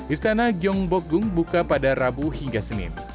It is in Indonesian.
istana gyeongbokgung buka pada rabu hingga senin